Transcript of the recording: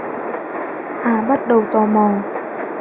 Hà bắt đầu tò mò